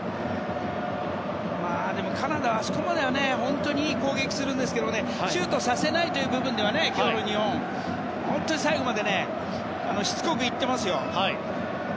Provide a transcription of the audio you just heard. カナダはあそこまでは本当にいい攻撃をするんですけどシュートをさせない部分では今日の日本は本当に最後までしつこく行ってますよ。